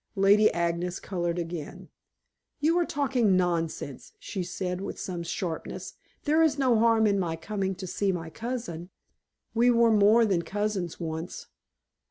Lady Agnes colored again. "You are talking nonsense," she said with some sharpness. "There is no harm in my coming to see my cousin." "We were more than cousins once."